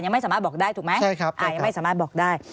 ไม่สามารถบอกได้ถูกไหมยังไม่สามารถบอกได้